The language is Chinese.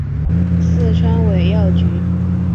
四川尾药菊